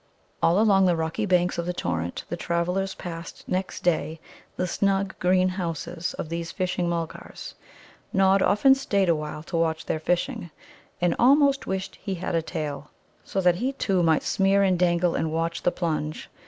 All along the rocky banks of the torrent the travellers passed next day the snug green houses of these Fishing mulgars. Nod often stayed awhile to watch their fishing, and almost wished he had a tail, so that he, too, might smear and dangle and watch and plunge.